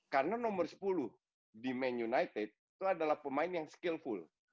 karena nomor sepuluh di man united itu adalah pemain yang skillful